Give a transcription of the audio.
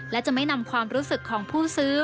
และจะไม่นำความรู้สึกของผู้ซื้อ